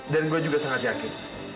dan gue juga sangat yakin